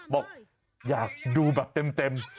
บอกอยากดูแบบเต็ม